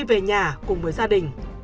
về nhà cùng với gia đình